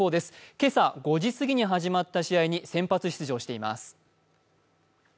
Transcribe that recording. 今朝、５時すぎに始まった試合に先発出場しています。